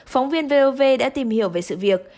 phóng viên vov đã tìm hiểu về sự việc